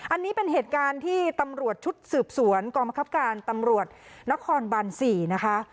อันนี้เป็นเหตุการณ์ที่ตำรวจชุดสืบสวนกองบังคับการตำรวจนครบัน๔นะคะ